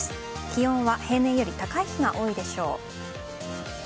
気温は平年より高い日が多いでしょう。